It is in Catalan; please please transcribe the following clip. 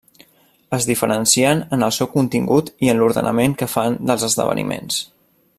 Es diferencien en el seu contingut i en l'ordenament que fan dels esdeveniments.